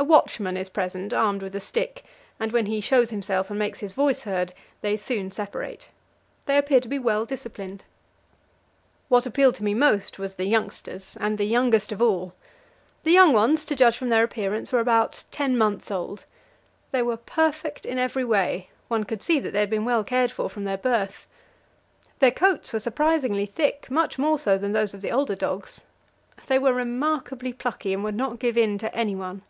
A watchman is present, armed with a stick, and when he shows himself and makes his voice heard, they soon separate. They appear to be well disciplined. What appealed to me most was the youngsters and the youngest of all. The young ones, to judge from their appearance, were about ten months old. They were perfect in every way; one could see they had been well cared for from their birth. Their coats were surprisingly thick much more so than those of the older dogs. They were remarkably plucky, and would not give in to anyone.